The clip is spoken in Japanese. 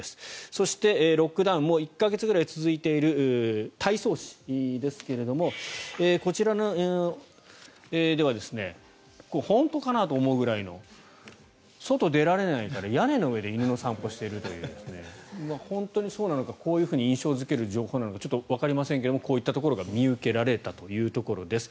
そして、ロックダウンもう１か月ぐらい続いている太倉市ですがこちらでは、これ本当かなと思うぐらいの外に出られないから屋根の上で犬の散歩をしているという本当にそうなのかこういうふうに印象付ける情報なのかちょっとわかりませんがこういったことが見受けられたということです。